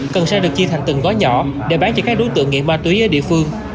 cần xe được chia thành từng gói nhỏ để bán cho các đối tượng nghiện ma túy ở địa phương